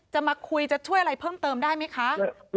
จะมาคุยจะช่วยอะไรเพิ่มเติมได้ไหมคะ